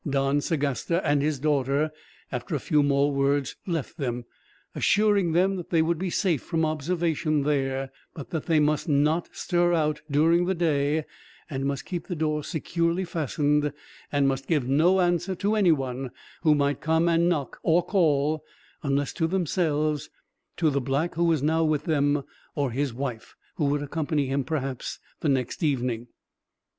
Don Sagasta and his daughter, after a few more words, left them; assuring them that they would be safe from observation there, but that they must not stir out, during the day; and must keep the door securely fastened, and must give no answer to anyone who might come and knock, or call, unless to themselves, to the black who was now with them, or his wife, who would accompany him, perhaps, the next evening.